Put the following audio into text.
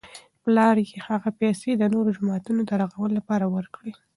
پلار یې هغه پیسې د نوي جومات د رغولو لپاره ورکړې.